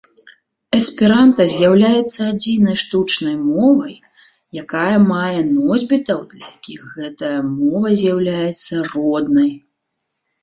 Эсперанта з'яўляецца адзінай штучнай мовай, якая мае носьбітаў, для якіх гэтая мова з'яўляецца роднай.